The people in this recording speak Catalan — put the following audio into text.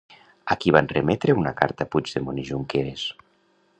A qui van remetre una carta Puigdemont i Junqueras?